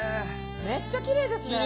めっちゃきれいですね。